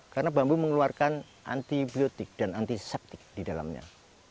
karena bambu mengeluarkan antibiotik dan antiseptik di dalamnya